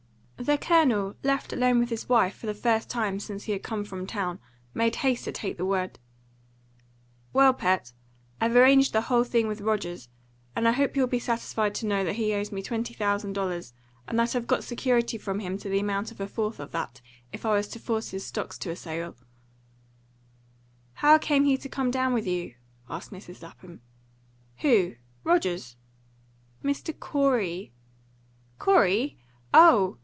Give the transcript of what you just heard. The Colonel, left alone with his wife for the first time since he had come from town, made haste to take the word. "Well, Pert, I've arranged the whole thing with Rogers, and I hope you'll be satisfied to know that he owes me twenty thousand dollars, and that I've got security from him to the amount of a fourth of that, if I was to force his stocks to a sale." "How came he to come down with you?" asked Mrs. Lapham. "Who? Rogers?" "Mr. Corey." "Corey? Oh!"